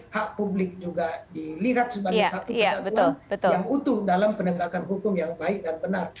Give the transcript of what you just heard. hak publik juga dilihat sebagai satu kesatuan yang utuh dalam penegakan hukum yang baik dan benar